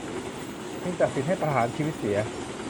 จึงตัดสินให้ประหารชีวิตเสีย